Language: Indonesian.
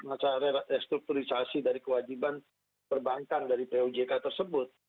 masalah restrukturisasi dari kewajiban perbankan dari pjk tersebut